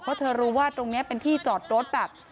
เพราะเธอรู้ว่าตรงนี้เป็นที่จอดรถแบบ